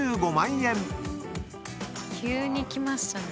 急にきましたね。